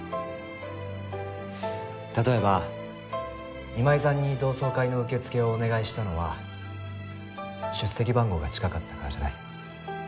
例えば今井さんに同窓会の受付をお願いしたのは出席番号が近かったからじゃない。